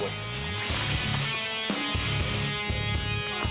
ya udah bang